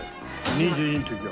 ２２の時は。